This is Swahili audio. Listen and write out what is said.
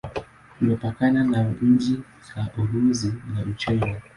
Imepakana na nchi za Urusi na Uchina.